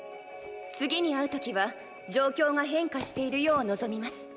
次に会う時は状況が変化しているよう望みます。